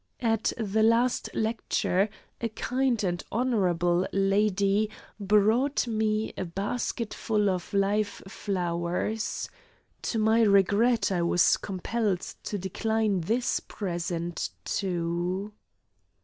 At the last lecture, a kind and honourable lady brought me a basketful of live flowers. To my regret, I was compelled to decline this present, too.